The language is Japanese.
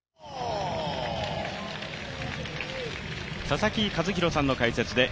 佐々木主浩さんの解説で